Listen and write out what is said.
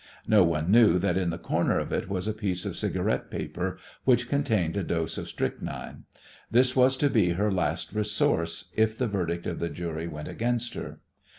No one knew that in the corner of it was a piece of cigarette paper which contained a dose of strychnine. This was to be her last resource if the verdict of the jury went against her.